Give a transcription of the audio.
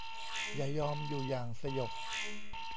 อย่ายอมอยู่อย่างสยบ